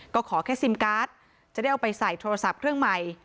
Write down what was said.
ก็ขอแค่ซิมการ์ดจะได้เอาไปใส่โทรศัพท์เครื่องใหม่